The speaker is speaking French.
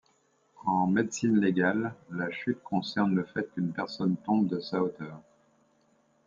En médecine légale, la chute concerne le fait qu'une personne tombe de sa hauteur.